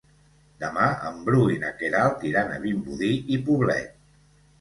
Demà en Bru i na Queralt iran a Vimbodí i Poblet.